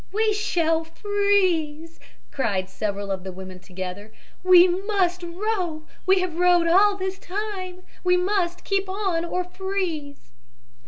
"We shall freeze," cried several of the women together. "We must row. We have rowed all this time. We must keep on or freeze."